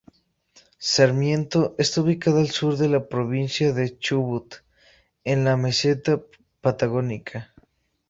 Sarmiento está ubicada al sur de la provincia de Chubut, en la meseta patagónica.